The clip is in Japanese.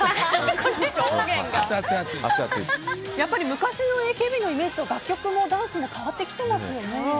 昔のＡＫＢのイメージと楽曲もダンスも変わってきてますよね。